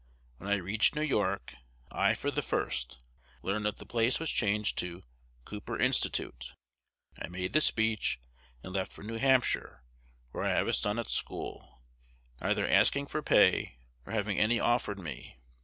When I reached New York, I, for the first, learned that the place was changed to "Cooper Institute." I made the speech, and left for New Hampshire, where I have a son at school, neither asking for pay nor having any offered me.